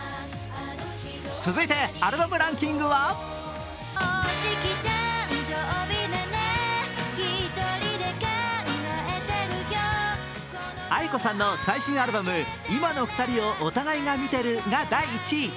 続いてアルバムランキングはａｉｋｏさんの最新アルバム、「今の二人をお互いが見てる」が第１位。